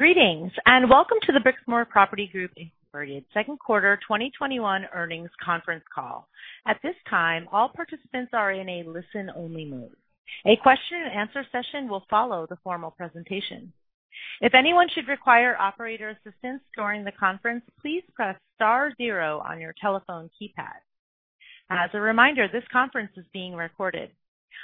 Greetings, and welcome to the Brixmor Property Group Inc second quarter 2021 earnings conference call. At this time, all participants are in a listen-only mode. A question and answer session will follow the formal presentation. If anyone should require operator assistance during the conference, please press star zero on your telephone keypad. As a reminder, this conference is being recorded.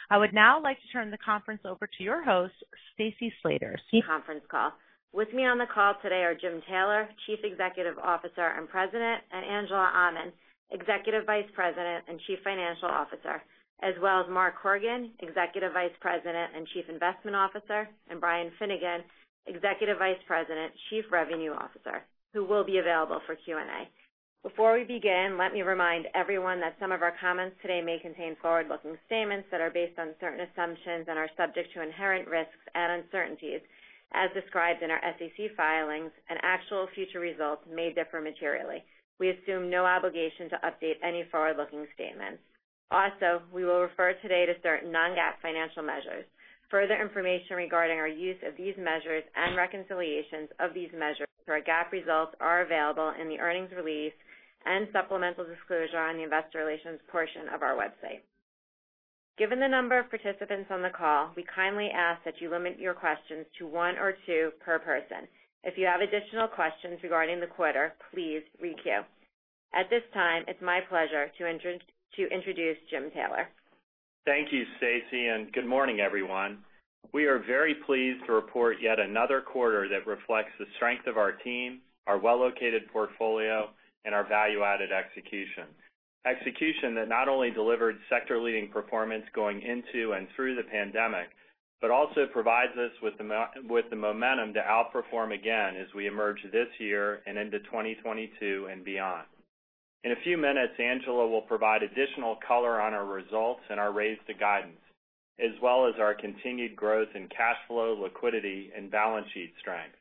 I would now like to turn the conference over to your host, Stacy Slater. -conference call. With me on the call today are Jim Taylor, Chief Executive Officer and President, and Angela Aman, Executive Vice President and Chief Financial Officer, as well as Mark Horgan, Executive Vice President and Chief Investment Officer, and Brian Finnegan, Executive Vice President, Chief Revenue Officer, who will be available for Q&A. Before we begin, let me remind everyone that some of our comments today may contain forward-looking statements that are based on certain assumptions and are subject to inherent risks and uncertainties as described in our SEC filings, and actual future results may differ materially. We assume no obligation to update any forward-looking statements. We will refer today to certain non-GAAP financial measures. Further information regarding our use of these measures and reconciliations of these measures to our GAAP results are available in the earnings release and supplemental disclosure on the investor relations portion of our website. Given the number of participants on the call, we kindly ask that you limit your questions to one or two per person. If you have additional questions regarding the quarter, please re-queue. At this time, it's my pleasure to introduce Jim Taylor. Thank you, Stacy, and good morning, everyone. We are very pleased to report yet another quarter that reflects the strength of our team, our well-located portfolio, and our value-added execution. Execution that not only delivered sector-leading performance going into and through the pandemic, but also provides us with the momentum to outperform again as we emerge this year and into 2022 and beyond. In a few minutes, Angela will provide additional color on our results and our raise to guidance, as well as our continued growth in cash flow, liquidity, and balance sheet strength.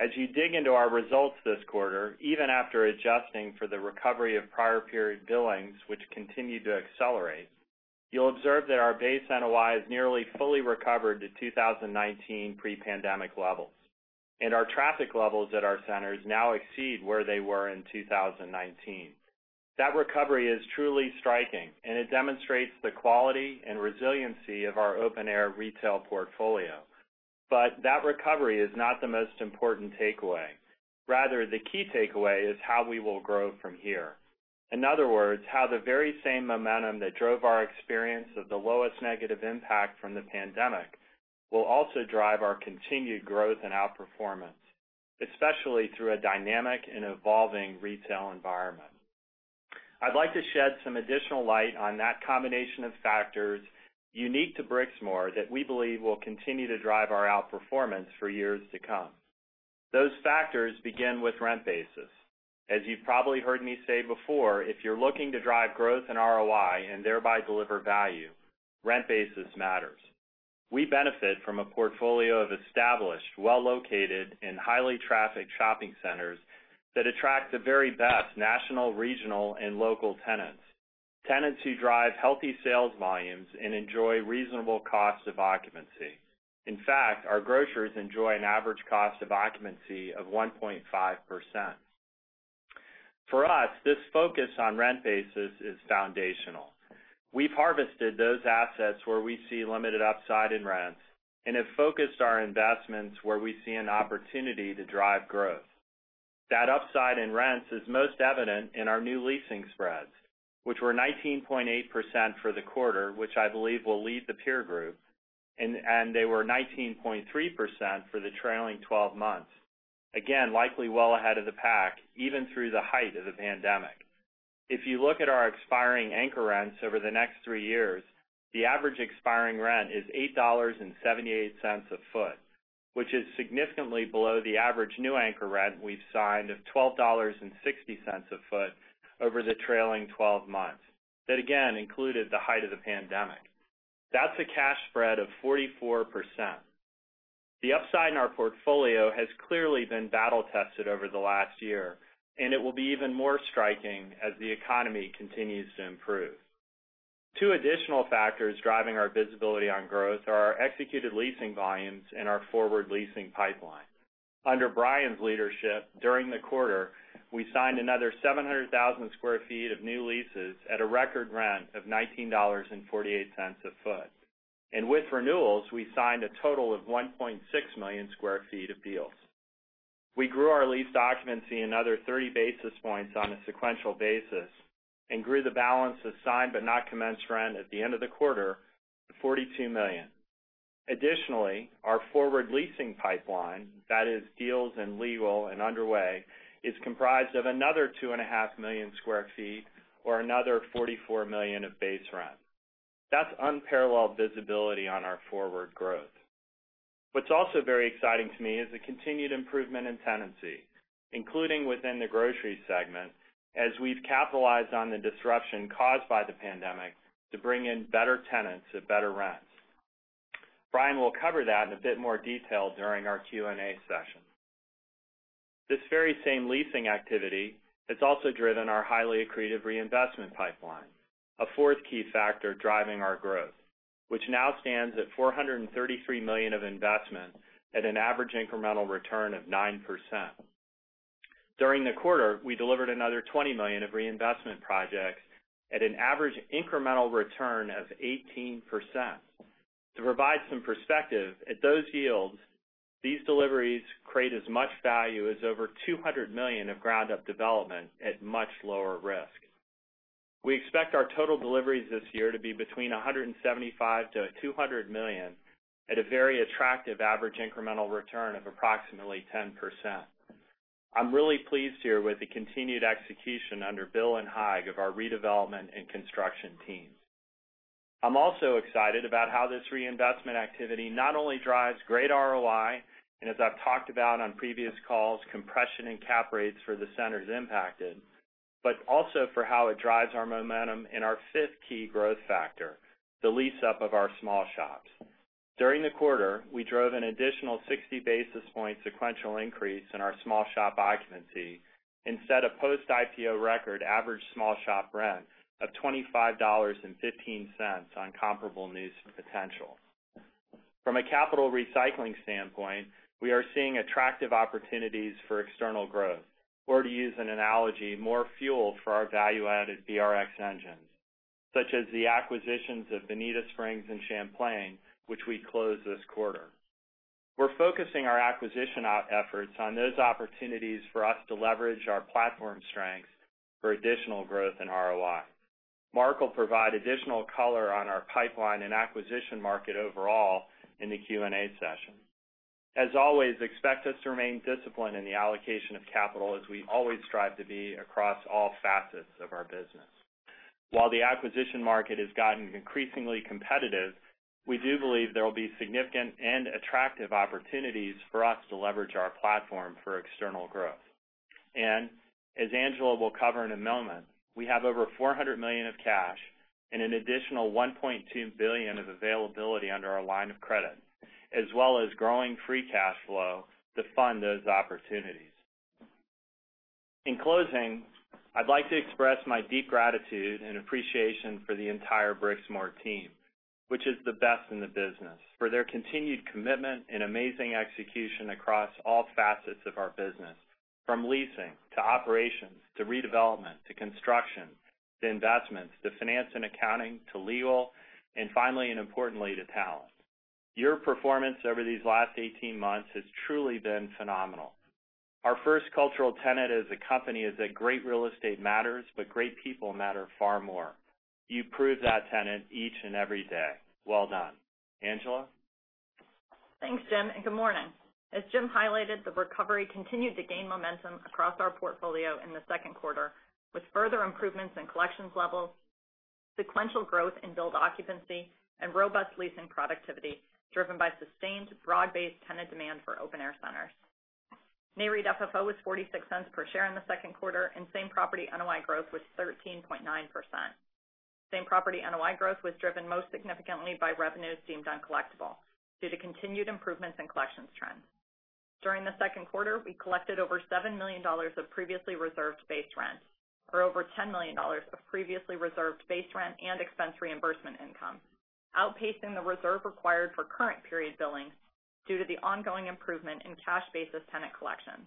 As you dig into our results this quarter, even after adjusting for the recovery of prior period billings, which continue to accelerate, you'll observe that our base NOI is nearly fully recovered to 2019 pre-pandemic levels, and our traffic levels at our centers now exceed where they were in 2019. That recovery is truly striking, and it demonstrates the quality and resiliency of our open-air retail portfolio. That recovery is not the most important takeaway. Rather, the key takeaway is how we will grow from here. In other words, how the very same momentum that drove our experience of the lowest negative impact from the pandemic will also drive our continued growth and outperformance, especially through a dynamic and evolving retail environment. I'd like to shed some additional light on that combination of factors unique to Brixmor that we believe will continue to drive our outperformance for years to come. Those factors begin with rent basis. As you've probably heard me say before, if you're looking to drive growth in ROI and thereby deliver value, rent basis matters. We benefit from a portfolio of established, well-located, and highly trafficked shopping centers that attract the very best national, regional, and local tenants. Tenants who drive healthy sales volumes and enjoy reasonable costs of occupancy. In fact, our grocers enjoy an average cost of occupancy of 1.5%. For us, this focus on rent basis is foundational. We've harvested those assets where we see limited upside in rents and have focused our investments where we see an opportunity to drive growth. That upside in rents is most evident in our new leasing spreads, which were 19.8% for the quarter, which I believe will lead the peer group, and they were 19.3% for the trailing 12 months. Again, likely well ahead of the pack, even through the height of the pandemic. If you look at our expiring anchor rents over the next three years, the average expiring rent is $8.78 a foot, which is significantly below the average new anchor rent we've signed of $12.60 a foot over the trailing 12 months. That again included the height of the pandemic. That's a cash spread of 44%. The upside in our portfolio has clearly been battle-tested over the last year, and it will be even more striking as the economy continues to improve. Two additional factors driving our visibility on growth are our executed leasing volumes and our forward leasing pipeline. Under Brian's leadership during the quarter, we signed another 700,000 sq ft of new leases at a record rent of $19.48 a foot. With renewals, we signed a total of 1.6 million sq ft of deals. We grew our lease occupancy another 30 basis points on a sequential basis and grew the balance of signed but not commenced rent at the end of the quarter to $42 million. Additionally, our forward leasing pipeline, that is deals in legal and underway, is comprised of another 2.5 million sq ft or another $44 million of base rent. That's unparalleled visibility on our forward growth. What's also very exciting to me is the continued improvement in tenancy, including within the grocery segment, as we've capitalized on the disruption caused by the pandemic to bring in better tenants at better rents. Brian will cover that in a bit more detail during our Q&A session. This very same leasing activity has also driven our highly accretive reinvestment pipeline, a fourth key factor driving our growth, which now stands at $433 million of investment at an average incremental return of 9%. During the quarter, we delivered another $20 million of reinvestment projects at an average incremental return of 18%. To provide some perspective, at those yields, these deliveries create as much value as over $200 million of ground-up development at much lower risk. We expect our total deliveries this year to be between $175 million-$200 million at a very attractive average incremental return of approximately 10%. I am really pleased here with the continued execution under Bill and Haig of our redevelopment and construction teams. I'm also excited about how this reinvestment activity not only drives great ROI, and as I've talked about on previous calls, compression and cap rates for the centers impacted, but also for how it drives our momentum in our fifth key growth factor, the lease-up of our small shops. During the quarter, we drove an additional 60 basis point sequential increase in our small shop occupancy and set a post-IPO record average small shop rent of $25.15 on comparable news potential. From a capital recycling standpoint, we are seeing attractive opportunities for external growth, or to use an analogy, more fuel for our value-added BRX engines, such as the acquisitions of Bonita Springs and Chamblee, which we closed this quarter. We're focusing our acquisition efforts on those opportunities for us to leverage our platform strengths for additional growth in ROI. Mark will provide additional color on our pipeline and acquisition market overall in the Q&A session. As always, expect us to remain disciplined in the allocation of capital as we always strive to be across all facets of our business. While the acquisition market has gotten increasingly competitive, we do believe there will be significant and attractive opportunities for us to leverage our platform for external growth. As Angela will cover in a moment, we have over $400 million of cash and an additional $1.2 billion of availability under our line of credit, as well as growing free cash flow to fund those opportunities. In closing, I'd like to express my deep gratitude and appreciation for the entire Brixmor team, which is the best in the business, for their continued commitment and amazing execution across all facets of our business, from leasing to operations to redevelopment to construction to investments to finance and accounting to legal, and finally, and importantly, to talent. Your performance over these last 18 months has truly been phenomenal. Our first cultural tenet as a company is that great real estate matters, but great people matter far more. You prove that tenet each and every day. Well done. Angela? Thanks, Jim, and good morning. As Jim highlighted, the recovery continued to gain momentum across our portfolio in the second quarter, with further improvements in collections levels, sequential growth in billed occupancy, and robust leasing productivity driven by sustained broad-based tenant demand for open-air centers. Nareit FFO was $0.46 per share in the second quarter, and Same-Property NOI growth was 13.9%. Same-Property NOI growth was driven most significantly by revenues deemed uncollectible due to continued improvements in collections trends. During the second quarter, we collected over $7 million of previously reserved base rent or over $10 million of previously reserved base rent and expense reimbursement income, outpacing the reserve required for current period billing due to the ongoing improvement in cash basis tenant collections.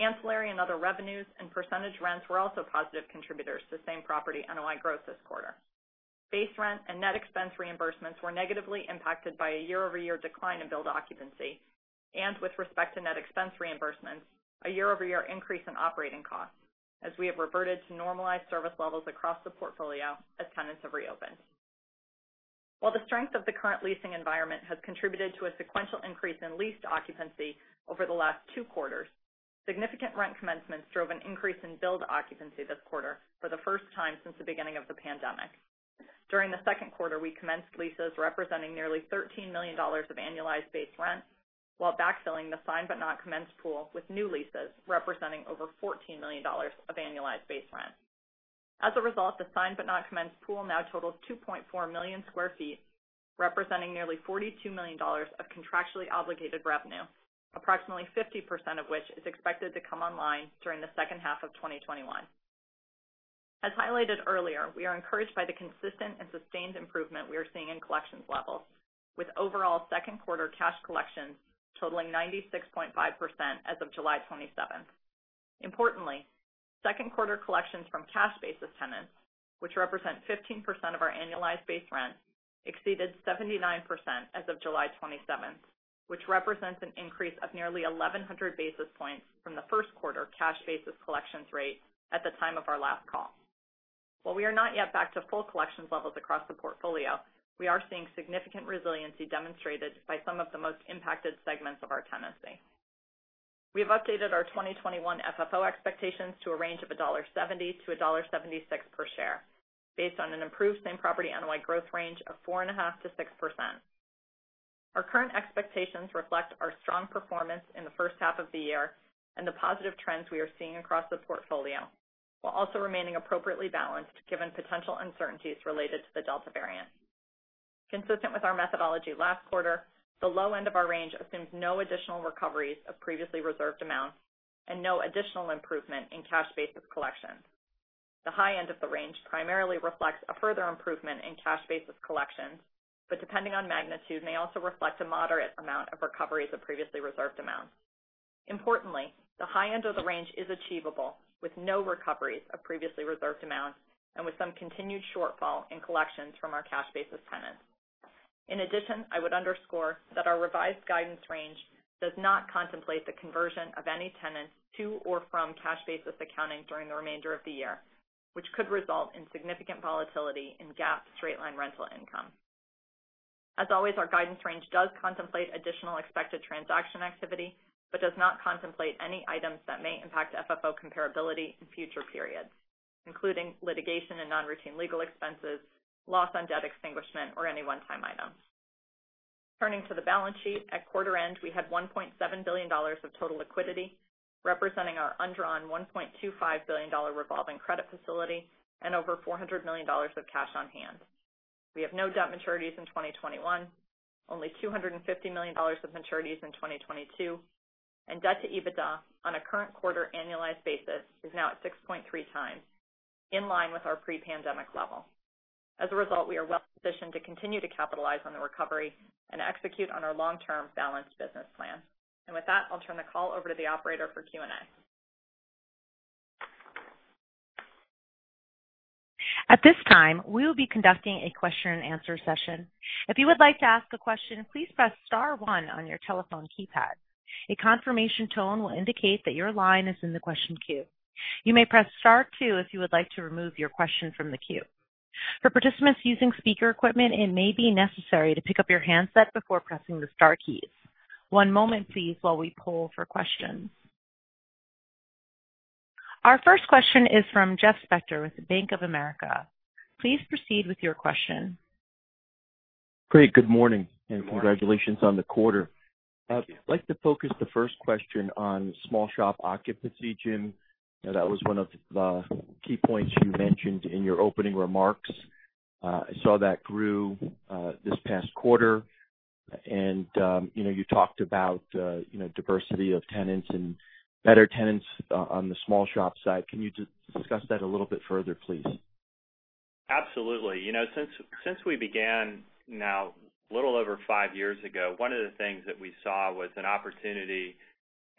Ancillary and other revenues and percentage rents were also positive contributors to Same-Property NOI growth this quarter. Base rent and net expense reimbursements were negatively impacted by a year-over-year decline in billed occupancy, and with respect to net expense reimbursements, a year-over-year increase in operating costs as we have reverted to normalized service levels across the portfolio as tenants have reopened. While the strength of the current leasing environment has contributed to a sequential increase in leased occupancy over the last two quarters, significant rent commencements drove an increase in billed occupancy this quarter for the first time since the beginning of the pandemic. During the second quarter, we commenced leases representing nearly $13 million of annualized base rent, while backfilling the signed but not commenced pool with new leases representing over $14 million of annualized base rent. As a result, the signed but not commenced pool now totals 2.4 million sq ft, representing nearly $42 million of contractually obligated revenue, approximately 50% of which is expected to come online during the second half of 2021. As highlighted earlier, we are encouraged by the consistent and sustained improvement we are seeing in collections levels, with overall second-quarter cash collections totaling 96.5% as of July 27th. Importantly, second quarter collections from cash basis tenants, which represent 15% of our annualized base rent, exceeded 79% as of July 27th, which represents an increase of nearly 1,100 basis points from the first quarter cash basis collections rate at the time of our last call. While we are not yet back to full collections levels across the portfolio, we are seeing significant resiliency demonstrated by some of the most impacted segments of our tenancy. We have updated our 2021 FFO expectations to a range of $1.70-$1.76 per share based on an improved Same-Property NOI growth range of 4.5%-6%. Our current expectations reflect our strong performance in the first half of the year and the positive trends we are seeing across the portfolio, while also remaining appropriately balanced given potential uncertainties related to the Delta variant. Consistent with our methodology last quarter, the low end of our range assumes no additional recoveries of previously reserved amounts and no additional improvement in cash basis collections. The high end of the range primarily reflects a further improvement in cash basis collections, but depending on magnitude, may also reflect a moderate amount of recoveries of previously reserved amounts. Importantly, the high end of the range is achievable with no recoveries of previously reserved amounts and with some continued shortfall in collections from our cash basis tenants. In addition, I would underscore that our revised guidance range does not contemplate the conversion of any tenants to or from cash basis accounting during the remainder of the year, which could result in significant volatility in GAAP straight-line rental income. As always, our guidance range does contemplate additional expected transaction activity but does not contemplate any items that may impact FFO comparability in future periods, including litigation and non-routine legal expenses, loss on debt extinguishment, or any one-time items. Turning to the balance sheet, at quarter end, we had $1.7 billion of total liquidity, representing our undrawn $1.25 billion revolving credit facility and over $400 million of cash on hand. We have no debt maturities in 2021, only $250 million of maturities in 2022, and debt to EBITDA on a current quarter annualized basis is now at 6.3x, in line with our pre-pandemic level. As a result, we are well-positioned to continue to capitalize on the recovery and execute on our long-term balanced business plan. With that, I'll turn the call over to the operator for Q&A. At this time, we'll be conducting a question-and-answer session. If you would like to ask a question, please press star one on your telephone keypad. A confirmation tone will indicate that your line is in the question queue. You may press star two if you would like to remove your question from the queue. For participants using speaker equipment, it may be necessary to pick up your handset before pressing the star keys. One moment, please, while we poll for questions. Our first question is from Jeffrey Spector with Bank of America. Please proceed with your question. Great. Good morning. Good morning. Congratulations on the quarter. Thank you. I'd like to focus the first question on small shop occupancy, Jim. That was one of the key points you mentioned in your opening remarks. I saw that grew this past quarter, and you talked about diversity of tenants and better tenants on the small shop side. Can you just discuss that a little bit further, please? Absolutely. Since we began now a little over five years ago, one of the things that we saw was an opportunity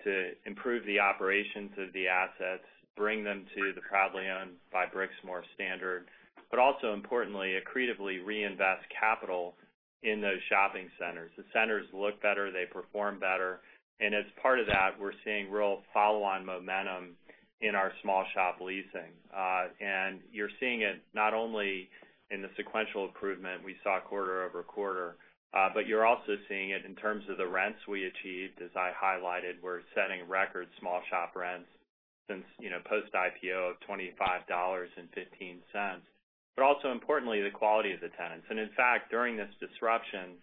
to improve the operations of the assets, bring them to the proudly owned by Brixmor standard, but also importantly, accretively reinvest capital in those shopping centers. The centers look better, they perform better. As part of that, we're seeing real follow-on momentum in our small shop leasing. You're seeing it not only in the sequential improvement we saw quarter-over-quarter, you're also seeing it in terms of the rents we achieved. As I highlighted, we're setting record small shop rents since post IPO of $25.15. Also importantly, the quality of the tenants. In fact, during this disruption,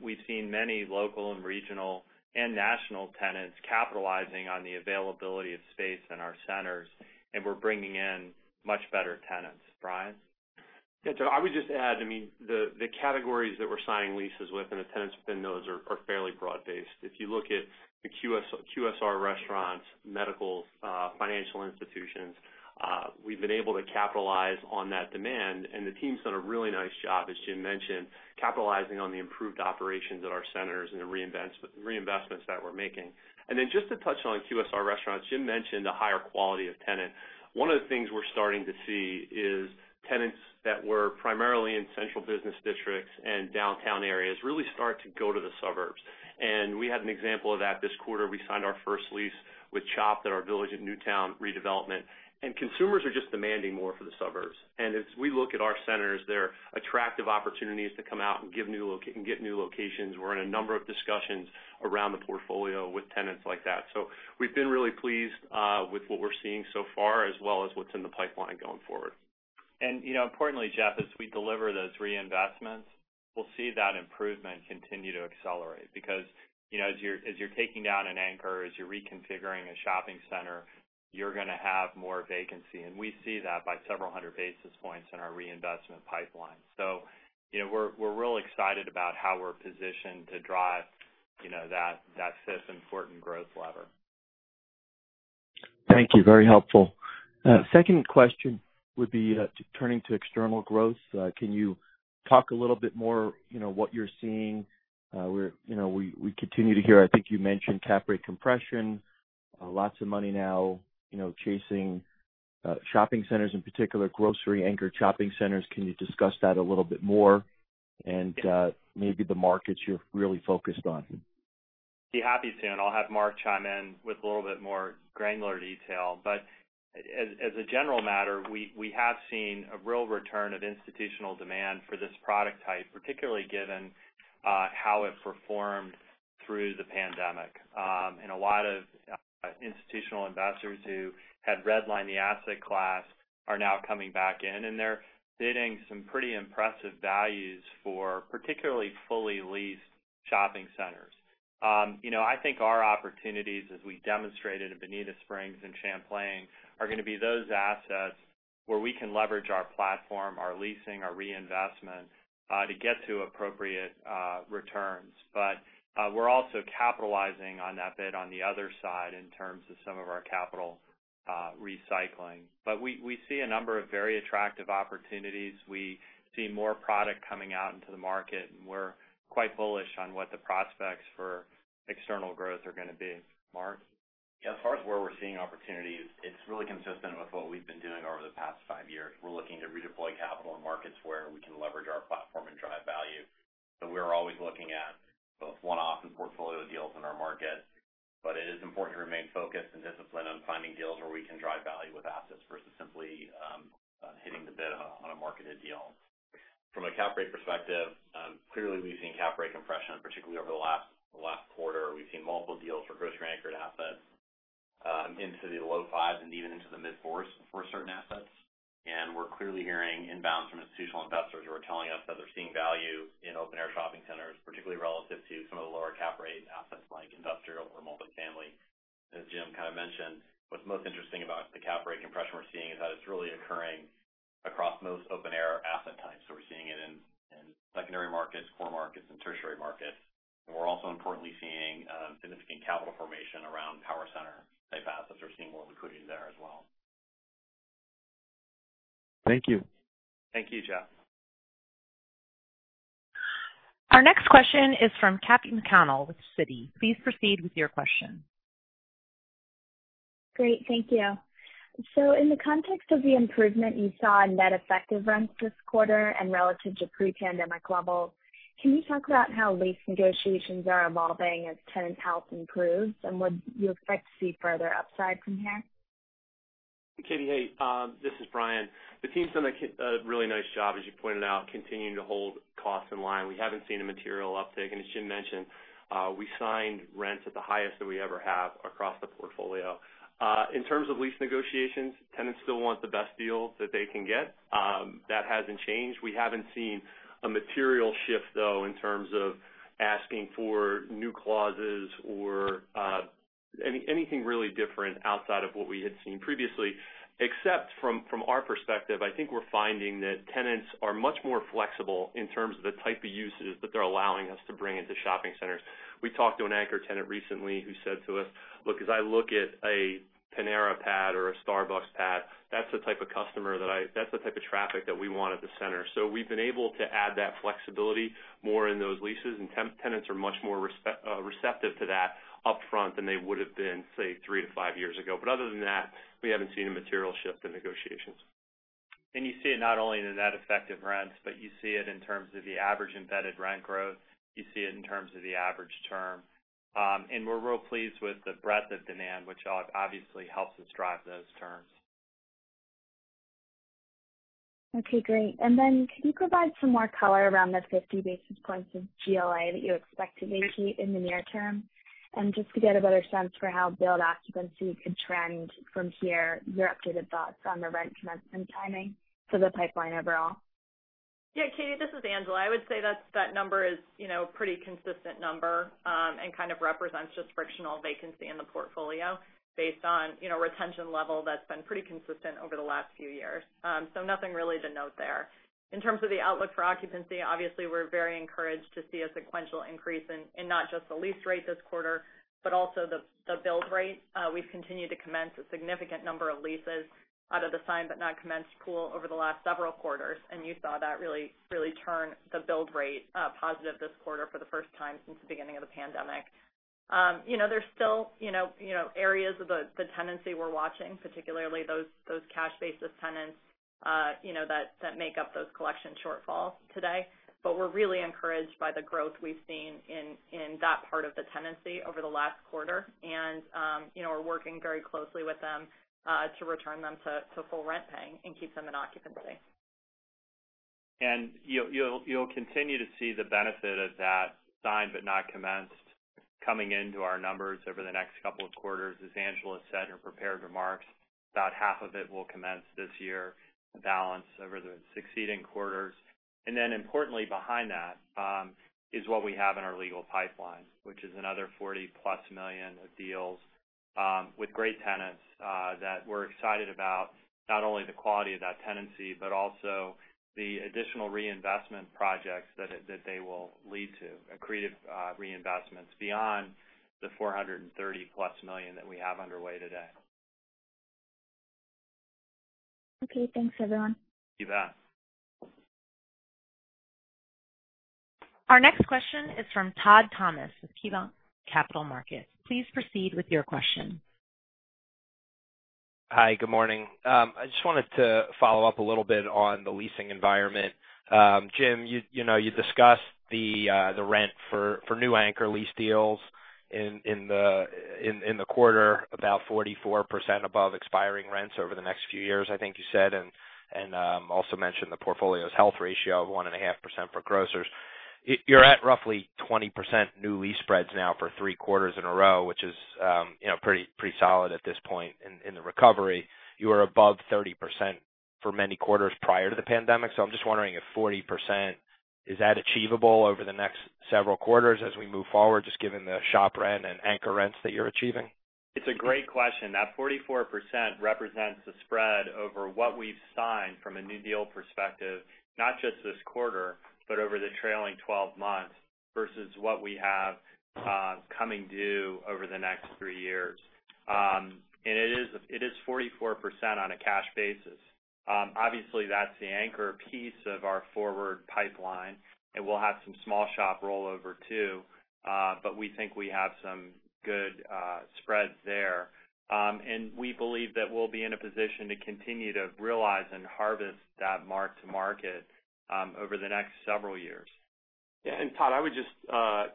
we've seen many local and regional and national tenants capitalizing on the availability of space in our centers. We're bringing in much better tenants. Brian? Yeah. I would just add, the categories that we're signing leases with and the tenants within those are fairly broad-based. If you look at the QSR restaurants, medical, financial institutions, we've been able to capitalize on that demand, and the team's done a really nice job, as Jim mentioned, capitalizing on the improved operations at our centers and the reinvestments that we're making. Just to touch on QSR restaurants, Jim mentioned the higher quality of tenant. One of the things we're starting to see is tenants that were primarily in central business districts and downtown areas really start to go to the suburbs. We had an example of that this quarter. We signed our first lease with Chopt at our Village at Newtown redevelopment, and consumers are just demanding more for the suburbs. As we look at our centers, they're attractive opportunities to come out and get new locations. We're in a number of discussions around the portfolio with tenants like that. We've been really pleased with what we're seeing so far, as well as what's in the pipeline going forward. Importantly, Jeffrey, as we deliver those reinvestments, we'll see that improvement continue to accelerate. As you're taking down an anchor, as you're reconfiguring a shopping center, you're going to have more vacancy. We see that by several 100 basis points in our reinvestment pipeline. We're real excited about how we're positioned to drive that fifth important growth lever. Thank you. Very helpful. Second question would be, turning to external growth, can you talk a little bit more, what you're seeing? We continue to hear, I think you mentioned cap rate compression, lots of money now chasing shopping centers, in particular grocery-anchored shopping centers. Can you discuss that a little bit more and maybe the markets you're really focused on? Be happy to, and I'll have Mark chime in with a little bit more granular detail. As a general matter, we have seen a real return of institutional demand for this product type, particularly given how it performed through the pandemic. A lot of institutional investors who had redlined the asset class are now coming back in, and they're bidding some pretty impressive values for particularly fully leased shopping centers. I think our opportunities, as we demonstrated in Bonita Springs and Champlain, are going to be those assets where we can leverage our platform, our leasing, our reinvestment to get to appropriate returns. We're also capitalizing on that bit on the other side in terms of some of our capital recycling. We see a number of very attractive opportunities. We see more product coming out into the market, and we're quite bullish on what the prospects for external growth are going to be. Mark? Yeah. As far as where we're seeing opportunities, it's really consistent with what we've been doing over the past five years. We're looking to redeploy capital in markets where we can leverage our platform and drive value. We're always looking at both one-off and portfolio deals in our markets. It is important to remain focused and disciplined on finding deals where we can drive value with assets versus simply hitting the bid on a marketed deal. From a cap rate perspective, clearly we've seen cap rate compression, particularly over the last quarter. We've seen multiple deals for grocery-anchored assets into the low fives and even into the mid-fours for certain assets. We're clearly hearing inbound from institutional investors who are telling us that they're seeing value in open-air shopping centers, particularly relative to some of the lower cap rate assets like industrial or multifamily. As Jim kind of mentioned, what's most interesting about the cap rate compression we're seeing is that it's really occurring across most open-air asset types. We're seeing it in secondary markets, core markets, and tertiary markets. We're also importantly seeing significant capital formation around power center-type assets. We're seeing more liquidity there as well. Thank you. Thank you, Jeff. Our next question is from Katy McConnell with Citi. Please proceed with your question. Great. Thank you. In the context of the improvement you saw in net effective rents this quarter and relative to pre-pandemic levels, can you talk about how lease negotiations are evolving as tenant health improves, and would you expect to see further upside from here? Katy, hey. This is Brian. The team's done a really nice job, as you pointed out, continuing to hold costs in line. We haven't seen a material uptick, and as Jim mentioned, we signed rents at the highest that we ever have across the portfolio. In terms of lease negotiations, tenants still want the best deal that they can get. That hasn't changed. We haven't seen a material shift, though, in terms of asking for new clauses or anything really different outside of what we had seen previously. Except from our perspective, I think we're finding that tenants are much more flexible in terms of the type of uses that they're allowing us to bring into shopping centers. We talked to an anchor tenant recently who said to us, "Look, as I look at a Panera pad or a Starbucks pad, that's the type of traffic that we want at the center." We've been able to add that flexibility more in those leases, and tenants are much more receptive to that upfront than they would have been, say, three to five years ago. Other than that, we haven't seen a material shift in negotiations. You see it not only in the net effective rents, but you see it in terms of the average embedded rent growth. You see it in terms of the average term. We're real pleased with the breadth of demand, which obviously helps us drive those terms. Okay, great. Then could you provide some more color around the 50 basis points of GLA that you expect to vacate in the near term? Just to get a better sense for how billed occupancy could trend from here, your updated thoughts on the rent commencement timing for the pipeline overall. Yeah, Katy, this is Angela. I would say that number is a pretty consistent number and kind of represents just frictional vacancy in the portfolio based on retention level that's been pretty consistent over the last few years. Nothing really to note there. In terms of the outlook for occupancy, obviously, we're very encouraged to see a sequential increase in not just the lease rate this quarter, but also the billed rate. We've continued to commence a significant number of leases out of the signed but not commenced pool over the last several quarters, and you saw that really turn the billed rate positive this quarter for the first time since the beginning of the pandemic. There's still areas of the tenancy we're watching, particularly those cash basis tenants that make up those collection shortfalls today. We're really encouraged by the growth we've seen in that part of the tenancy over the last quarter. We're working very closely with them to return them to full rent-paying and keep them in occupancy. You'll continue to see the benefit of that signed but not commenced coming into our numbers over the next couple of quarters. As Angela said in her prepared remarks, about half of it will commence this year, the balance over the succeeding quarters. Importantly behind that is what we have in our legal pipeline, which is another $40-plus million of deals with great tenants that we're excited about, not only the quality of that tenancy, but also the additional reinvestment projects that they will lead to, accretive reinvestments beyond the $430-plus million that we have underway today. Okay, thanks, everyone. You bet. Our next question is from Todd Thomas with KeyBanc Capital Markets. Please proceed with your question. Hi. Good morning. I just wanted to follow up a little bit on the leasing environment. Jim, you discussed the rent for new anchor lease deals in the quarter, about 44% above expiring rents over the next few years, I think you said, and also mentioned the portfolio's health ratio of 1.5% for grocers. You're at roughly 20% new lease spreads now for three quarters in a row, which is pretty solid at this point in the recovery. You are above 30% for many quarters prior to the pandemic. I'm just wondering if 40%, is that achievable over the next several quarters as we move forward, just given the shop rent and anchor rents that you're achieving? It's a great question. That 44% represents the spread over what we've signed from a new deal perspective, not just this quarter, but over the trailing 12 months, versus what we have coming due over the next three years. It is 44% on a cash basis. Obviously, that's the anchor piece of our forward pipeline, and we'll have some small shop rollover too. We think we have some good spreads there. We believe that we'll be in a position to continue to realize and harvest that mark-to-market over the next several years. Yeah, Todd, I would just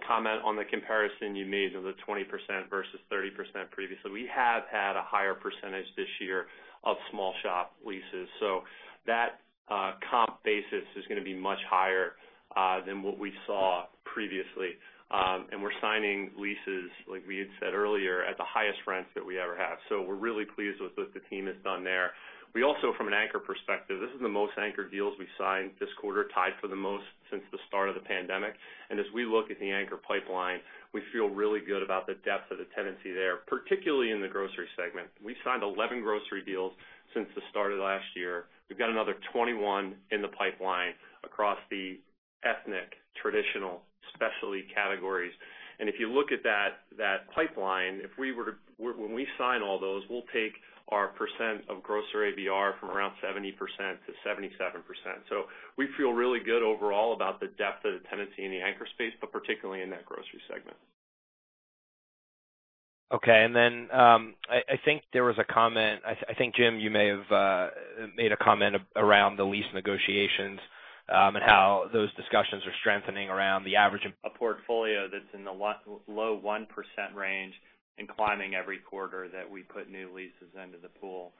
comment on the comparison you made of the 20% versus 30% previously. We have had a higher percentage this year of small shop leases. That comp basis is going to be much higher than what we saw previously. We're signing leases, like we had said earlier, at the highest rents that we ever have. We're really pleased with what the team has done there. We also, from an anchor perspective, this is the most anchor deals we've signed this quarter, tied for the most since the start of the pandemic. As we look at the anchor pipeline, we feel really good about the depth of the tenancy there, particularly in the grocery segment. We've signed 11 grocery deals since the start of last year. We've got another 21 in the pipeline across the ethnic, traditional, specialty categories. If you look at that pipeline, when we sign all those, we'll take our percent of grocery ABR from around 70% to 77%. We feel really good overall about the depth of the tenancy in the anchor space, but particularly in that grocery segment. Okay, I think there was a comment. I think, Jim, you may have made a comment around the lease negotiations, and how those discussions are strengthening around the average of- A portfolio that's in the low 1% range and climbing every quarter that we put new leases into the pool.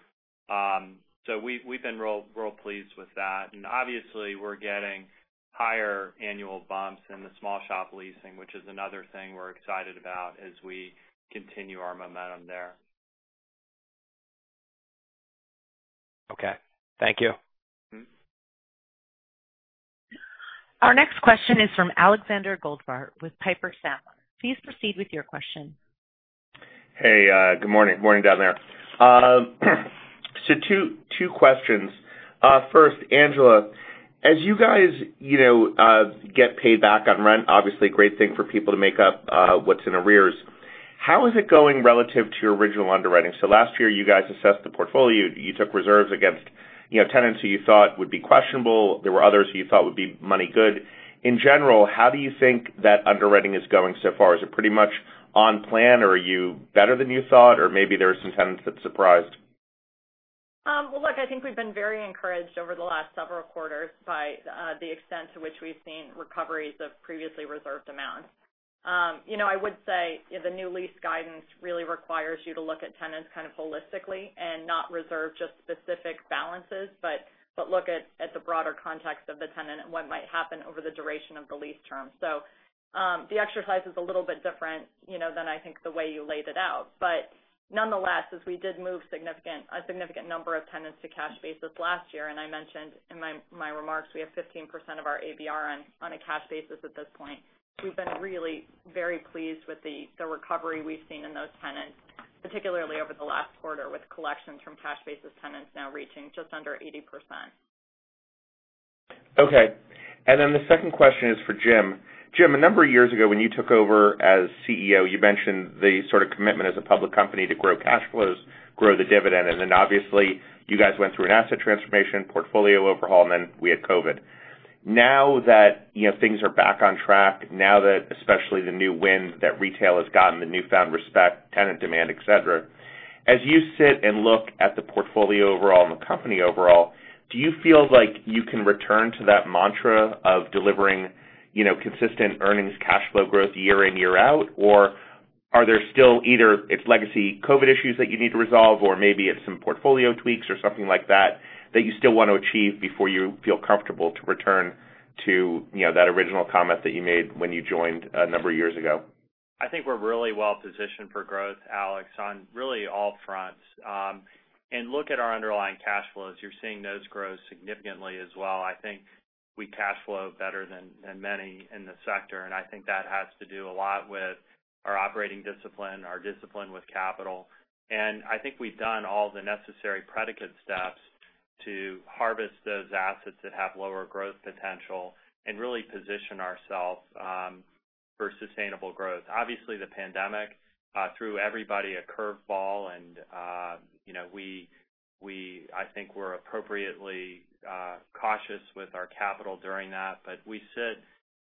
We've been real pleased with that. Obviously, we're getting higher annual bumps in the small shop leasing, which is another thing we're excited about as we continue our momentum there. Okay. Thank you. Our next question is from Alexander Goldfarb with Piper Sandler. Please proceed with your question. Hey, good morning. Morning down there. Two questions. First, Angela, as you guys get paid back on rent, obviously a great thing for people to make up what's in arrears. How is it going relative to your original underwriting? Last year, you guys assessed the portfolio. You took reserves against tenants who you thought would be questionable. There were others who you thought would be money good. In general, how do you think that underwriting is going so far? Is it pretty much on plan, or are you better than you thought, or maybe there are some tenants that surprised? Well, look, I think we've been very encouraged over the last several quarters by the extent to which we've seen recoveries of previously reserved amounts. I would say the new lease guidance really requires you to look at tenants kind of holistically and not reserve just specific balances, but look at the broader context of the tenant and what might happen over the duration of the lease term. The exercise is a little bit different than I think the way you laid it out. Nonetheless, as we did move a significant number of tenants to cash basis last year, and I mentioned in my remarks, we have 15% of our ABR on a cash basis at this point. We've been really very pleased with the recovery we've seen in those tenants, particularly over the last quarter, with collections from cash basis tenants now reaching just under 80%. Okay. The second question is for Jim. Jim, a number of years ago when you took over as CEO, you mentioned the sort of commitment as a public company to grow cash flows, grow the dividend, and then obviously you guys went through an asset transformation, portfolio overhaul, and then we had COVID. Now that things are back on track, now that, especially the new wind that retail has gotten, the newfound respect, tenant demand, et cetera. As you sit and look at the portfolio overall and the company overall, do you feel like you can return to that mantra of delivering consistent earnings cash flow growth year in, year out, or are there still either it's legacy COVID issues that you need to resolve, or maybe it's some portfolio tweaks or something like that you still want to achieve before you feel comfortable to return to that original comment that you made when you joined a number of years ago? I think we're really well-positioned for growth, Alex, on really all fronts. Look at our underlying cash flows. You're seeing those grow significantly as well. I think we cash flow better than many in the sector, and I think that has to do a lot with our operating discipline, our discipline with capital. I think we've done all the necessary predicate steps to harvest those assets that have lower growth potential and really position ourselves for sustainable growth. Obviously, the pandemic threw everybody a curve ball, and I think we're appropriately cautious with our capital during that. We sit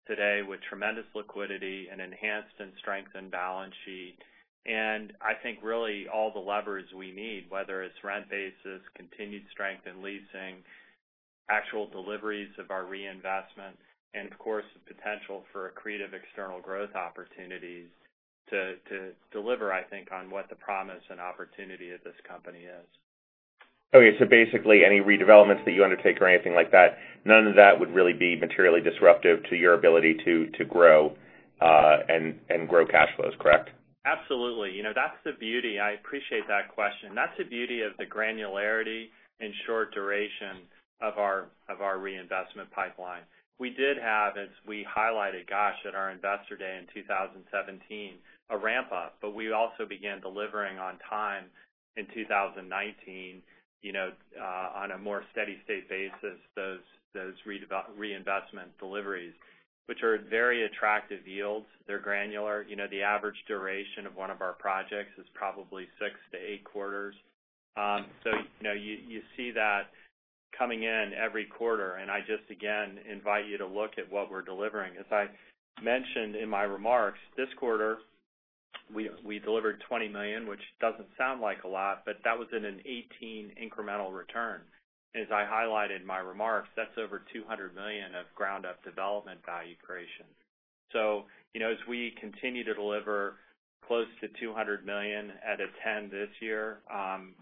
today with tremendous liquidity, an enhanced and strengthened balance sheet, and I think really all the levers we need, whether it's rent basis, continued strength in leasing, actual deliveries of our reinvestment, and of course, the potential for accretive external growth opportunities to deliver, I think, on what the promise and opportunity of this company is. Okay, basically any redevelopments that you undertake or anything like that, none of that would really be materially disruptive to your ability to grow and grow cash flows, correct? Absolutely. That's the beauty. I appreciate that question. That's the beauty of the granularity and short duration of our reinvestment pipeline. We did have, as we highlighted, gosh, at our investor day in 2017, a ramp-up, but we also began delivering on time in 2019, on a more steady state basis, those reinvestment deliveries, which are very attractive yields. They're granular. The average duration of one of our projects is probably six to eight quarters. You see that coming in every quarter, and I just, again, invite you to look at what we're delivering. As I mentioned in my remarks, this quarter, we delivered $20 million, which doesn't sound like a lot, but that was in an 18% incremental return. As I highlighted in my remarks, that's over $200 million of ground-up development value creation. As we continue to deliver close to $200 million NOI this year,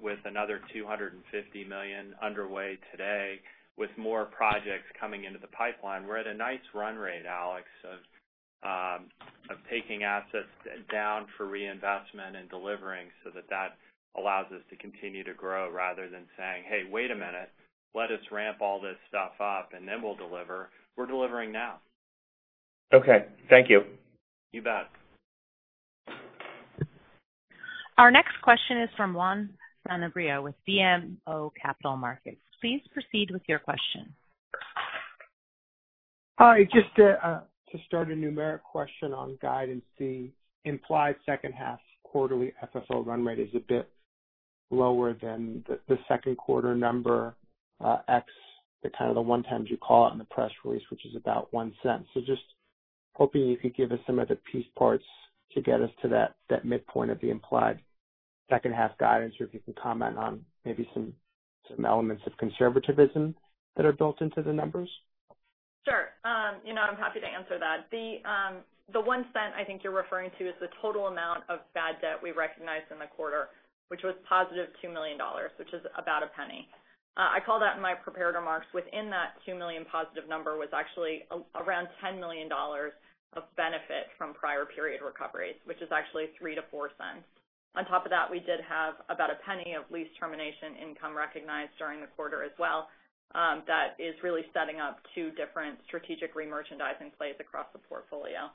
with another $250 million underway today, with more projects coming into the pipeline, we're at a nice run rate, Alex, of taking assets down for reinvestment and delivering so that allows us to continue to grow rather than saying, "Hey, wait a minute. Let us ramp all this stuff up and then we'll deliver." We're delivering now. Okay. Thank you. You bet. Our next question is from Juan Sanabria with BMO Capital Markets. Please proceed with your question. Hi, just to start a numeric question on guidance, the implied second half quarterly FFO run rate is a bit lower than the second quarter number, ex the kind of the one-times you call it in the press release, which is about $0.01. Just hoping you could give us some of the piece parts to get us to that midpoint of the implied second half guidance, or if you can comment on maybe some elements of conservativism that are built into the numbers. Sure. I'm happy to answer that. The $0.01 I think you're referring to is the total amount of bad debt we recognized in the quarter, which was positive $2 million, which is about $0.01. I call that in my prepared remarks, within that $2 million positive number was actually around $10 million of benefit from prior period recoveries, which is actually $0.03-$0.04. On top of that, we did have about $0.01 of lease termination income recognized during the quarter as well. That is really setting up two different strategic remerchandising plays across the portfolio.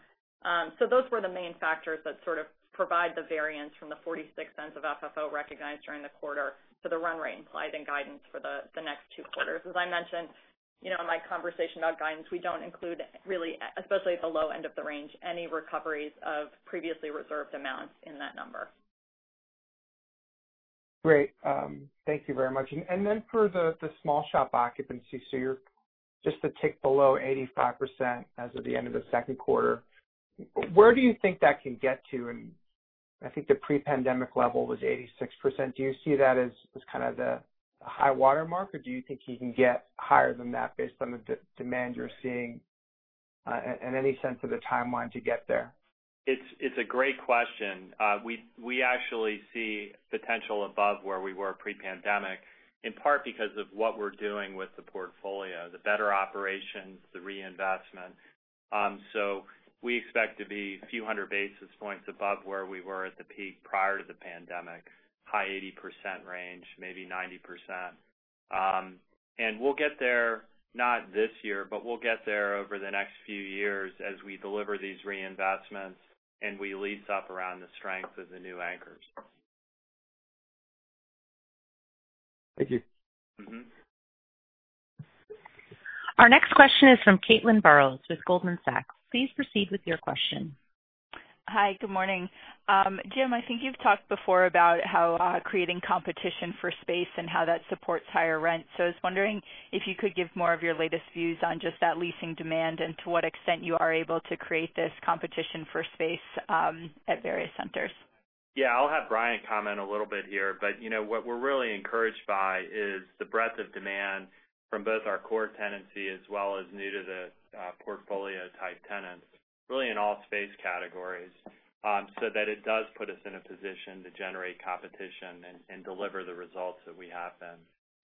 Those were the main factors that sort of provide the variance from the $0.46 of FFO recognized during the quarter to the run rate implied in guidance for the next two quarters. As I mentioned, in my conversation about guidance, we don't include really, especially at the low end of the range, any recoveries of previously reserved amounts in that number. Great. Thank you very much. For the small shop occupancy, you're just a tick below 85% as of the end of the second quarter. Where do you think that can get to? I think the pre-pandemic level was 86%. Do you see that as kind of the high-water mark, or do you think you can get higher than that based on the demand you're seeing, and any sense of the timeline to get there? It's a great question. We actually see potential above where we were pre-pandemic, in part because of what we're doing with the portfolio, the better operations, the reinvestment. We expect to be a few hundred basis points above where we were at the peak prior to the pandemic, high 80% range, maybe 90%. We'll get there, not this year, but we'll get there over the next few years as we deliver these reinvestments and we lease up around the strength of the new anchors. Thank you. Our next question is from Caitlin Burrows with Goldman Sachs. Please proceed with your question. Hi. Good morning. Jim, I think you've talked before about how creating competition for space and how that supports higher rent. I was wondering if you could give more of your latest views on just that leasing demand and to what extent you are able to create this competition for space at various centers. Yeah, I'll have Brian comment a little bit here. What we're really encouraged by is the breadth of demand from both our core tenancy as well as new to the portfolio type tenants, really in all space categories, so that it does put us in a position to generate competition and deliver the results that we have been.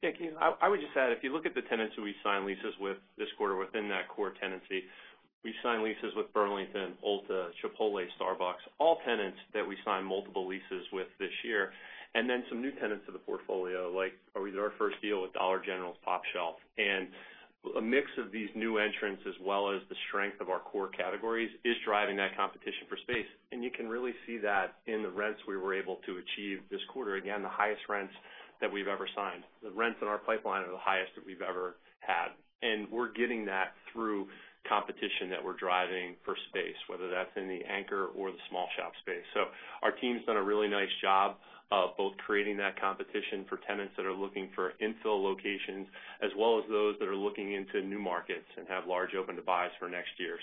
Thank you. I would just add, if you look at the tenants who we signed leases with this quarter within that core tenancy, we signed leases with Burlington, Ulta, Chipotle, Starbucks, all tenants that we signed multiple leases with this year. Some new tenants to the portfolio, like our first deal with Dollar General's pOpshelf. A mix of these new entrants as well as the strength of our core categories is driving that competition for space. You can really see that in the rents we were able to achieve this quarter. Again, the highest rents that we've ever signed. The rents in our pipeline are the highest that we've ever had. We're getting that through competition that we're driving for space, whether that's in the anchor or the small shop space. Our team's done a really nice job of both creating that competition for tenants that are looking for infill locations, as well as those that are looking into new markets and have large open to buys for next year.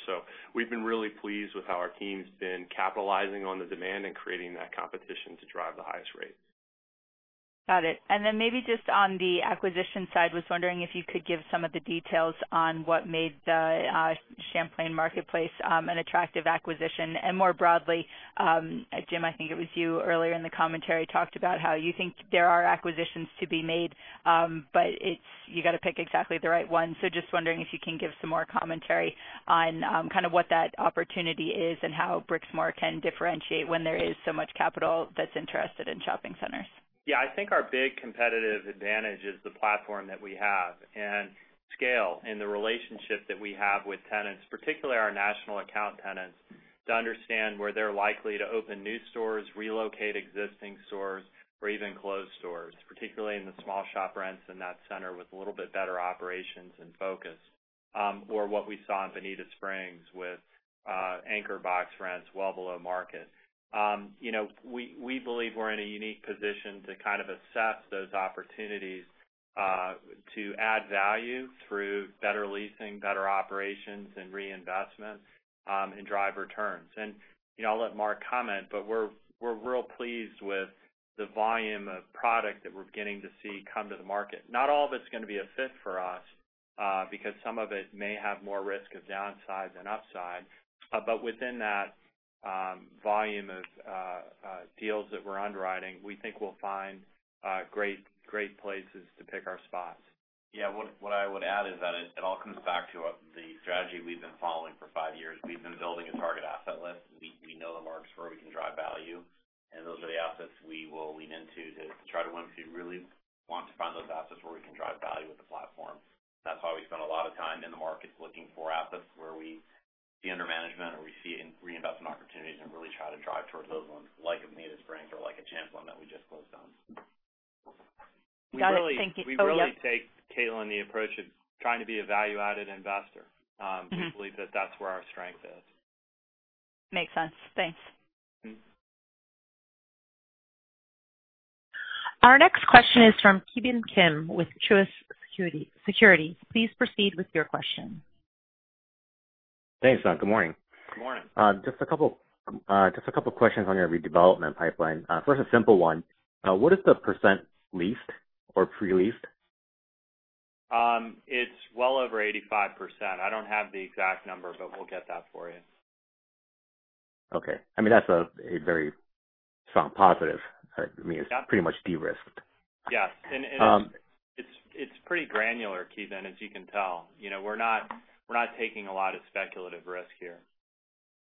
We've been really pleased with how our team's been capitalizing on the demand and creating that competition to drive the highest rates. Got it. Then maybe just on the acquisition side, I was wondering if you could give some of the details on what made the Champlain Marketplace an attractive acquisition. More broadly, Jim, I think it was you earlier in the commentary, you talked about how you think there are acquisitions to be made, but you got to pick exactly the right one. Just wondering if you can give some more commentary on kind of what that opportunity is and how Brixmor can differentiate when there is so much capital that's interested in shopping centers. Yeah. I think our big competitive advantage is the platform that we have and scale in the relationship that we have with tenants, particularly our national account tenants, to understand where they're likely to open new stores, relocate existing stores, or even close stores, particularly in the small shop rents in that center with a little bit better operations and focus. What we saw in Bonita Springs with anchor box rents well below market. We believe we're in a unique position to kind of assess those opportunities, to add value through better leasing, better operations, and reinvestments, and drive returns. I'll let Mark comment, but we're real pleased with the volume of product that we're beginning to see come to the market. Not all of it's going to be a fit for us, because some of it may have more risk of downside than upside. Within that volume of deals that we're underwriting, we think we'll find great places to pick our spots. Yeah. What I would add is that it all comes back to the strategy we've been following for five years. We've been building a target asset list. We know the markets where we can drive value, and those are the assets we will lean into to try to win. We really want to find those assets where we can drive value with the platform. That's how we spend a lot of time in the markets looking for assets where we see under management or we see reinvestment opportunities and really try to drive towards those ones like Bonita Springs or like a Champlain that we just closed on. Got it. Thank you. Oh, yep. We really take, Caitlin, the approach of trying to be a value-added investor. We believe that that's where our strength is. Makes sense. Thanks. Our next question is from Ki Bin Kim with Truist Securities. Please proceed with your question. Thanks. Good morning. Good morning. Just a couple of questions on your redevelopment pipeline. First, a simple one. What is the percent leased or pre-leased? It's well over 85%. I don't have the exact number. We'll get that for you. Okay. That's a very strong positive. Yeah. It's pretty much de-risked. Yes. It's pretty granular, Ki Bin, as you can tell. We're not taking a lot of speculative risk here.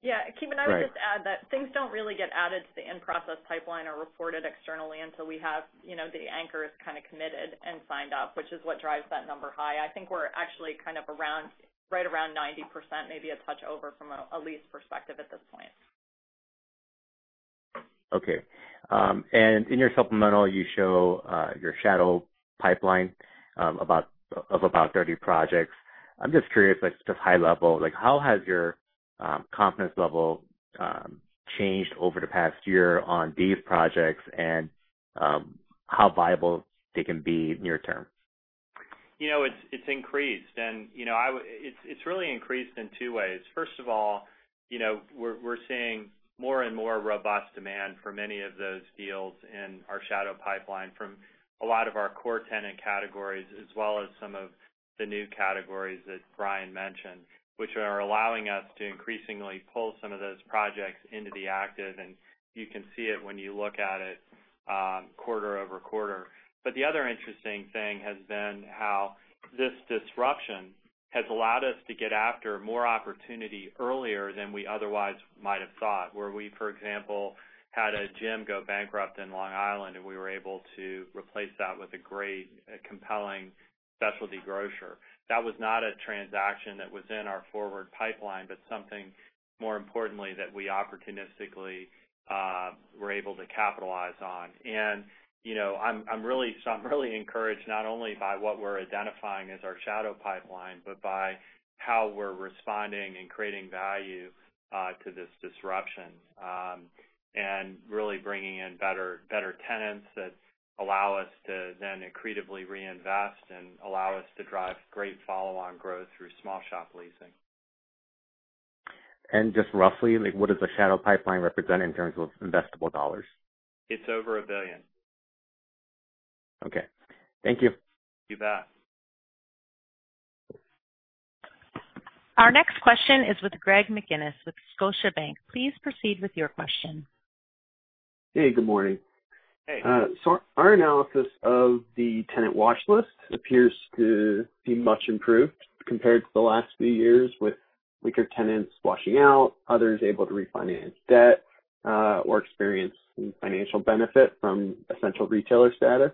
Yeah. Ki Bin, I would just add that things don't really get added to the in-process pipeline or reported externally until we have the anchor is kind of committed and signed up, which is what drives that number high. I think we're actually kind of right around 90%, maybe a touch over from a lease perspective at this point. Okay. In your supplemental, you show your shadow pipeline of about 30 projects. I'm just curious, like just high level, how has your confidence level changed over the past year on these projects and how viable they can be near term? It's increased. It's really increased in two ways. First of all, we're seeing more and more robust demand for many of those deals in our shadow pipeline from a lot of our core tenant categories, as well as some of the new categories that Brian mentioned, which are allowing us to increasingly pull some of those projects into the active. You can see it when you look at it quarter-over-quarter. The other interesting thing has been how this disruption has allowed us to get after more opportunity earlier than we otherwise might have thought, where we, for example, had a gym go bankrupt in Long Island, and we were able to replace that with a great, compelling specialty grocer. That was not a transaction that was in our forward pipeline, but something more importantly that we opportunistically were able to capitalize on. I'm really encouraged not only by what we're identifying as our shadow pipeline, but by how we're responding and creating value to this disruption, and really bringing in better tenants that allow us to then creatively reinvest and allow us to drive great follow-on growth through small shop leasing. Just roughly, what does the shadow pipeline represent in terms of investable dollars? It's over $1 billion. Okay. Thank you. You bet. Our next question is with Greg McGinniss with Scotiabank. Please proceed with your question. Hey, good morning. Hey. Our analysis of the tenant watch list appears to be much improved compared to the last few years with weaker tenants washing out, others able to refinance debt, or experience some financial benefit from essential retailer status.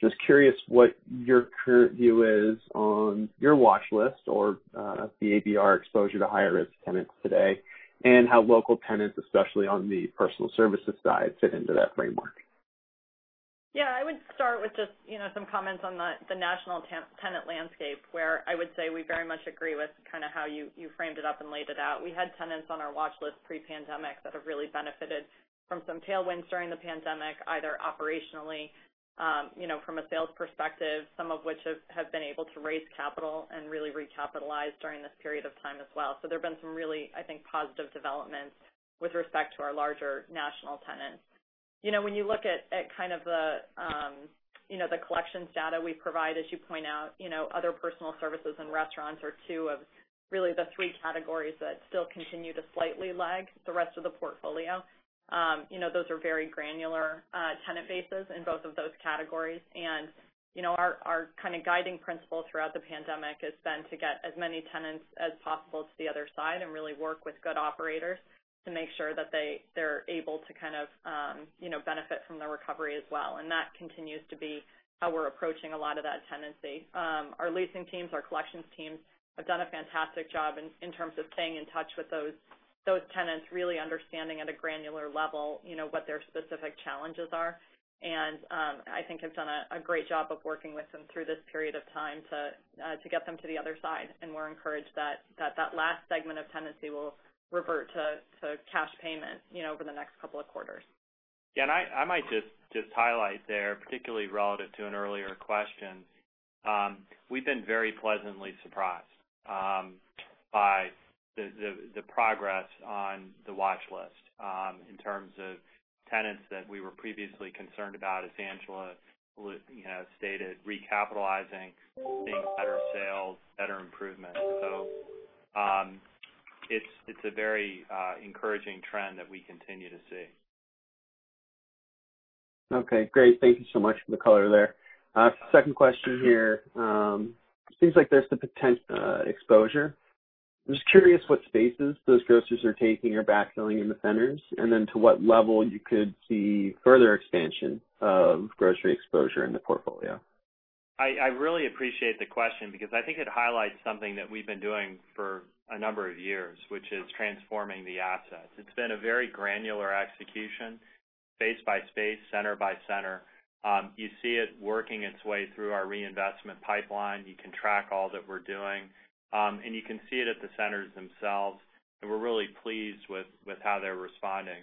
Just curious what your current view is on your watch list or the ABR exposure to higher-risk tenants today, and how local tenants, especially on the personal services side, fit into that framework. Yeah, I would start with just some comments on the national tenant landscape, where I would say we very much agree with kind of how you framed it up and laid it out. We had tenants on our watch list pre-pandemic that have really benefited from some tailwinds during the pandemic, either operationally, from a sales perspective, some of which have been able to raise capital and really recapitalize during this period of time as well. There have been some really, I think, positive developments with respect to our larger national tenants. When you look at the collections data we provide, as you point out, other personal services and restaurants are two of really the three categories that still continue to slightly lag the rest of the portfolio. Those are very granular tenant bases in both of those categories. Our guiding principle throughout the pandemic has been to get as many tenants as possible to the other side and really work with good operators to make sure that they're able to benefit from the recovery as well. That continues to be how we're approaching a lot of that tenancy. Our leasing teams, our collections teams, have done a fantastic job in terms of staying in touch with those tenants, really understanding at a granular level, what their specific challenges are. I think have done a great job of working with them through this period of time to get them to the other side. We're encouraged that that last segment of tenancy will revert to cash payment over the next couple of quarters. I might just highlight there, particularly relative to an earlier question. We've been very pleasantly surprised by the progress on the watchlist, in terms of tenants that we were previously concerned about, as Angela has stated, recapitalizing, seeing better sales, better improvement. It's a very encouraging trend that we continue to see. Okay, great. Thank you so much for the color there. Second question here. It seems like there's the potential exposure. I'm just curious what spaces those grocers are taking or backfilling in the centers, and then to what level you could see further expansion of grocery exposure in the portfolio. I really appreciate the question because I think it highlights something that we've been doing for a number of years, which is transforming the assets. It's been a very granular execution, space by space, center by center. You see it working its way through our reinvestment pipeline. You can track all that we're doing. You can see it at the centers themselves, and we're really pleased with how they're responding.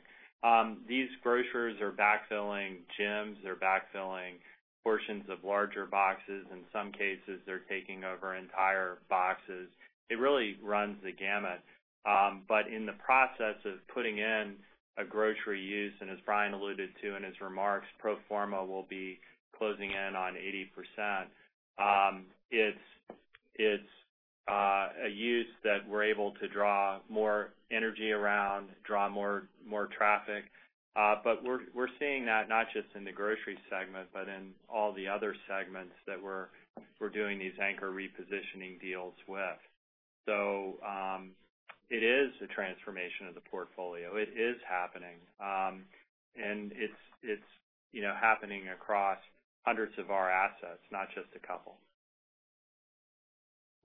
These grocers are backfilling gyms. They're backfilling portions of larger boxes. In some cases, they're taking over entire boxes. It really runs the gamut. In the process of putting in a grocery use, and as Brian alluded to in his remarks, pro forma will be closing in on 80%. It's a use that we're able to draw more energy around, draw more traffic. We're seeing that not just in the grocery segment, but in all the other segments that we're doing these anchor repositioning deals with. It is a transformation of the portfolio. It is happening. It's happening across hundreds of our assets, not just a couple.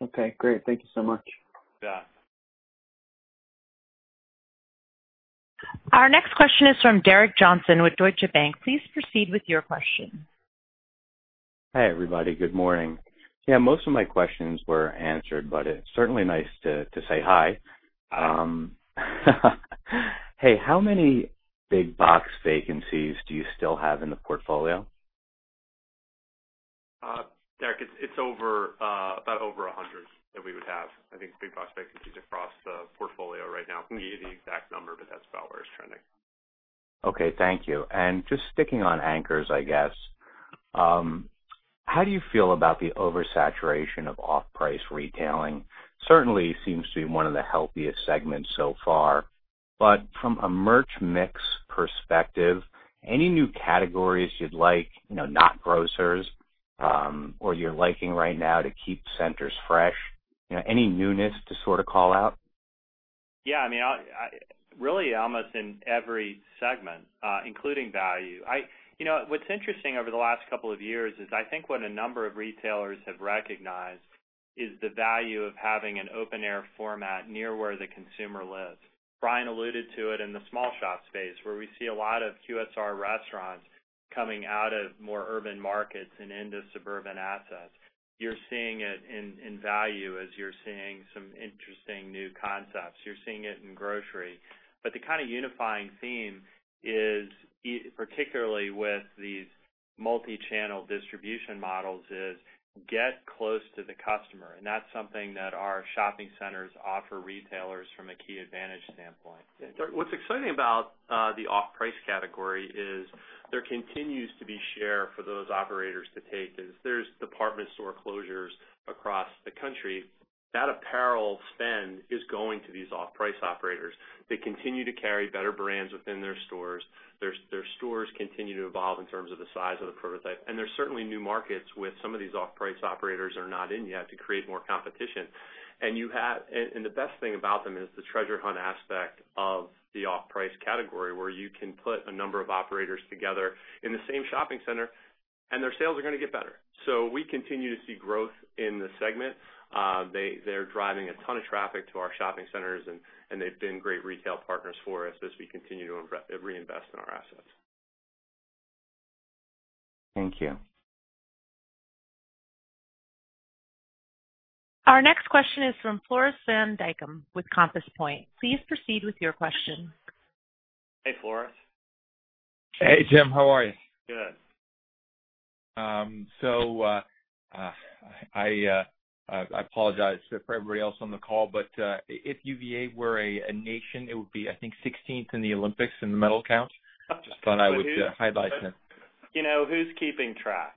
Okay, great. Thank you so much. Yeah. Our next question is from Derek Johnston with Deutsche Bank. Please proceed with your question. Hi, everybody. Good morning. Yeah, most of my questions were answered, but it's certainly nice to say hi. Hey, how many big box vacancies do you still have in the portfolio? Derek, it's about over 100 that we would have, I think big box vacancies across the portfolio right now. Can't give you the exact number, but that's about where it's trending. Okay, thank you. Just sticking on anchors, I guess. How do you feel about the oversaturation of off-price retailing? Certainly seems to be one of the healthiest segments so far. From a merch mix perspective, any new categories you'd like, not grocers, or you're liking right now to keep centers fresh? Any newness to sort of call out? Yeah, really almost in every segment, including value. What's interesting over the last couple of years is I think what a number of retailers have recognized is the value of having an open air format near where the consumer lives. Brian alluded to it in the small shop space, where we see a lot of QSR restaurants coming out of more urban markets and into suburban assets. You're seeing it in value as you're seeing some interesting new concepts. You're seeing it in grocery. But the kind of unifying theme is, particularly with these multi-channel distribution models, is get close to the customer. And that's something that our shopping centers offer retailers from a key advantage standpoint. Derek, what's exciting about the off-price category is there continues to be share for those operators to take as there's department store closures across the country. That apparel spend is going to these off-price operators. They continue to carry better brands within their stores. Their stores continue to evolve in terms of the size of the prototype. There's certainly new markets with some of these off-price operators that are not in yet to create more competition. The best thing about them is the treasure hunt aspect of the off-price category, where you can put a number of operators together in the same shopping center, and their sales are going to get better. We continue to see growth in the segment. They're driving a ton of traffic to our shopping centers, and they've been great retail partners for us as we continue to reinvest in our assets. Thank you. Our next question is from Floris van Dijkum with Compass Point. Please proceed with your question. Hey, Floris. Hey, Jim Taylor. How are you? Good. I apologize for everybody else on the call, but if UVA were a nation, it would be, I think, 16th in the Olympics in the medal count. Just thought I would highlight that. You know, who's keeping track?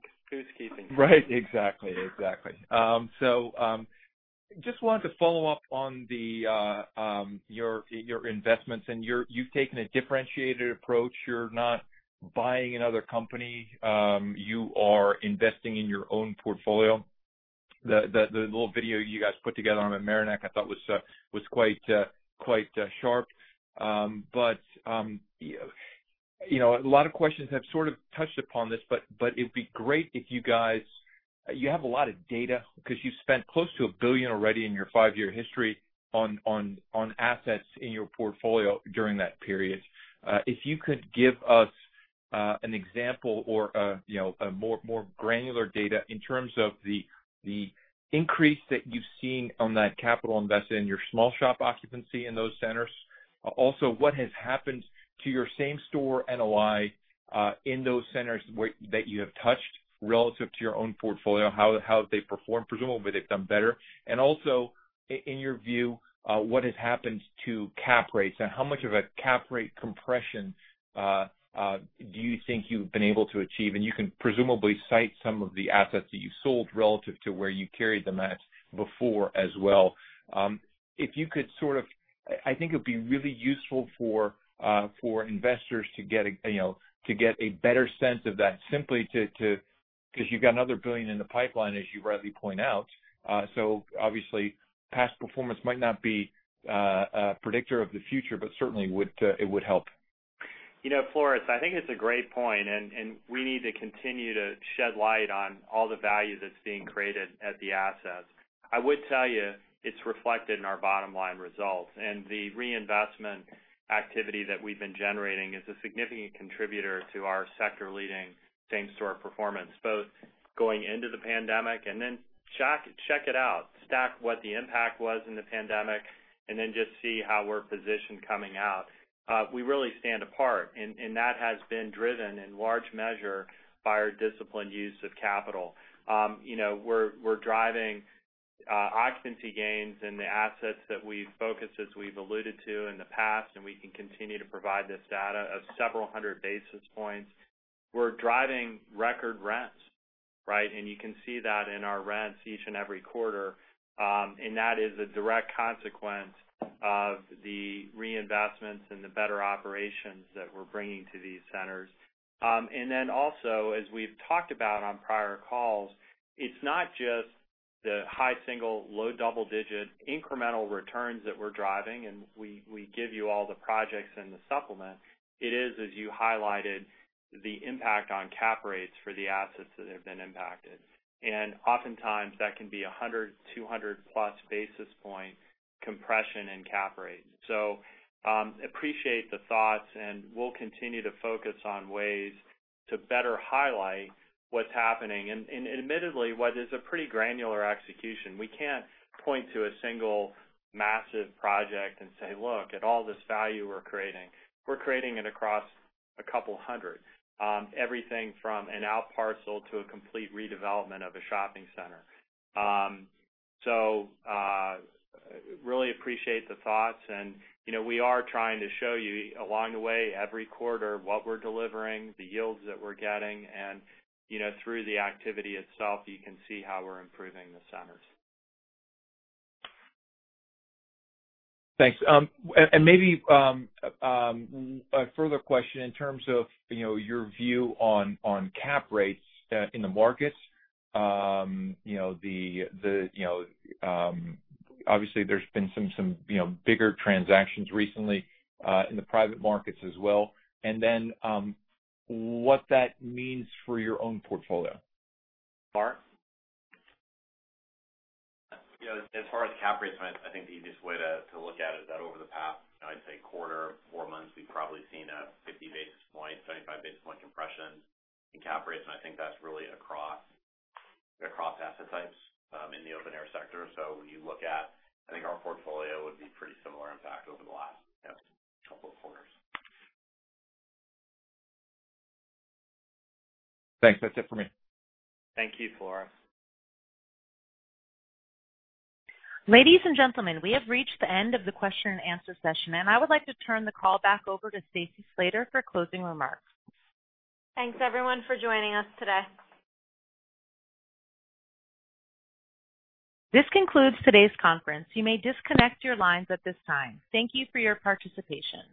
Right. Exactly. Just wanted to follow up on your investments, and you've taken a differentiated approach. You're not buying another company. You are investing in your own portfolio. The little video you guys put together on Mamaroneck I thought was quite sharp. A lot of questions have sort of touched upon this. You have a lot of data because you've spent close to $1 billion already in your five-year history on assets in your portfolio during that period. If you could give us an example or more granular data in terms of the increase that you've seen on that capital invested in your small shop occupancy in those centers. What has happened to your Same-Property NOI in those centers that you have touched relative to your own portfolio, how have they performed? Presumably, they've done better. Also, in your view, what has happened to cap rates, and how much of a cap rate compression do you think you've been able to achieve? You can presumably cite some of the assets that you sold relative to where you carried them at before as well. I think it'd be really useful for investors to get a better sense of that simply because you've got another $1 billion in the pipeline, as you rightly point out. Obviously, past performance might not be a predictor of the future, but certainly it would help. Floris, I think it's a great point. We need to continue to shed light on all the value that's being created at the assets. I would tell you it's reflected in our bottom-line results. The reinvestment activity that we've been generating is a significant contributor to our sector-leading same-store performance, both going into the pandemic and then check it out. Stack what the impact was in the pandemic, and then just see how we're positioned coming out. We really stand apart. That has been driven in large measure by our disciplined use of capital. We're driving occupancy gains in the assets that we've focused as we've alluded to in the past. We can continue to provide this data of several hundred basis points. We're driving record rents. You can see that in our rents each and every quarter. That is a direct consequence of the reinvestments and the better operations that we're bringing to these centers. Then also, as we've talked about on prior calls, it's not just the high single, low double-digit incremental returns that we're driving, and we give you all the projects in the supplement. It is, as you highlighted, the impact on cap rates for the assets that have been impacted. Oftentimes, that can be 100, 200-plus basis point compression in cap rates. Appreciate the thoughts, and we'll continue to focus on ways to better highlight what's happening. Admittedly, what is a pretty granular execution. We can't point to a single massive project and say, "Look at all this value we're creating." We're creating it across a couple of 100. Everything from an outparcel to a complete redevelopment of a shopping center. Really appreciate the thoughts, and we are trying to show you along the way, every quarter, what we're delivering, the yields that we're getting, and through the activity itself, you can see how we're improving the centers. Thanks. Maybe a further question in terms of your view on cap rates in the markets. Obviously, there's been some bigger transactions recently in the private markets as well, and then what that means for your own portfolio. Mark? As far as cap rates, I think the easiest way to look at it is that over the past, I'd say quarter, four months, we've probably seen a 50 basis point, 25 basis point compression in cap rates, and I think that's really across asset types in the open air sector. When you look at, I think our portfolio would be pretty similar impact over the last couple of quarters. Thanks. That's it for me. Thank you, Floris. Ladies and gentlemen, we have reached the end of the question and answer session, and I would like to turn the call back over to Stacy Slater for closing remarks. Thanks everyone for joining us today. This concludes today's conference. You may disconnect your lines at this time. Thank you for your participation.